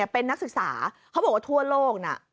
เป็นนักศึกษาเขาบอกว่าทั่วโลกนะ